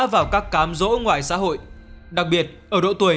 vào các cám rỗ ngoài xã hội đặc biệt ở độ tuổi